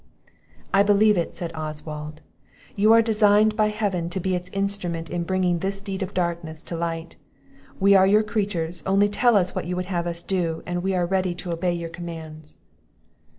"I believe it," said Oswald; "you are designed by Heaven to be its instrument in bringing this deed of darkness to light. We are your creatures; only tell us what you would have us do, and we are ready to obey your commands."